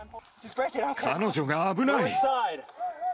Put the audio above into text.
彼女が危ない。